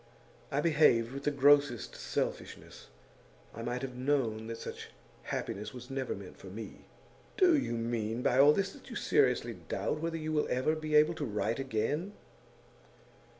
I behaved with the grossest selfishness. I might have known that such happiness was never meant for me.' 'Do you mean by all this that you seriously doubt whether you will ever be able to write again?